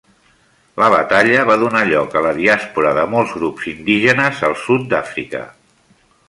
La batalla va donar lloc a la diàspora de molts grups indígenes al sud d'Àfrica.